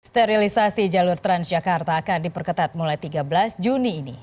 sterilisasi jalur transjakarta akan diperketat mulai tiga belas juni ini